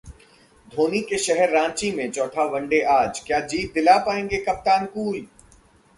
धोनी के शहर रांची में चौथा वनडे आज, क्या जीत दिला पाएंगे कप्तान कूल?